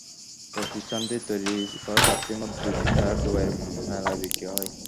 প্রতিষ্ঠানটির তৈরি করা চারটির মধ্যে দুটি টায়ার দুবাইয়ের মেলায় বিক্রি হয়।